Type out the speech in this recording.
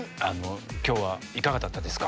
今日はいかがだったですか？